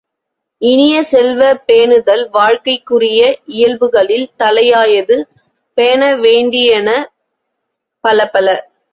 இனிய செல்வ, பேணுதல் வாழ்க்கைக்குரிய இயல்புகளில் தலையாயது பேண வேண்டியன பலப்பல.